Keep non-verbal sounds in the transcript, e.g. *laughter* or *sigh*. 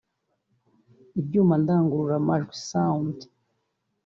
ibyuma ndangururamajwi *noise*